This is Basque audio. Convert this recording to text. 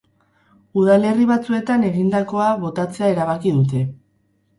Udalerri batzuetan egindakoa botatzea erabaki dute.